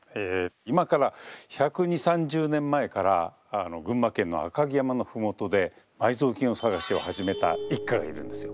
今から１２０１３０年前から群馬県の赤城山の麓で埋蔵金探しを始めた一家がいるんですよ。